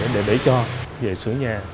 để để cho về sửa nhà